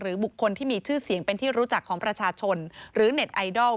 บุคคลที่มีชื่อเสียงเป็นที่รู้จักของประชาชนหรือเน็ตไอดอล